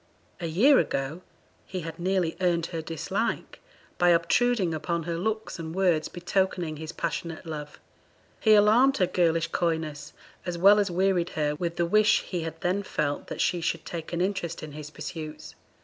A year ago he had nearly earned her dislike by obtruding upon her looks and words betokening his passionate love. He alarmed her girlish coyness, as well as wearied her with the wish he had then felt that she should take an interest in his pursuits.